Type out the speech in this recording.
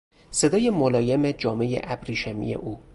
صدای ملایم جامهی ابریشمی او